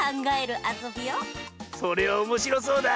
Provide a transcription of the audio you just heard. それはおもしろそうだ！